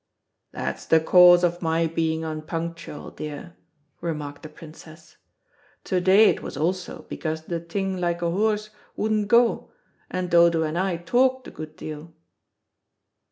"That's the cause of my being unpunctual, dear," remarked the Princess. "To day it was also because the thing like a horse wouldn't go, and Dodo and I talked a good deal."